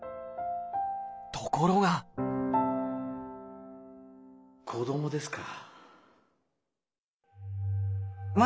ところが子どもですか。